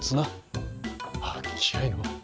あっ気合いの。